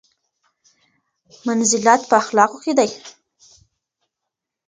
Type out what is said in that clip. منزلت په اخلاقو کې دی.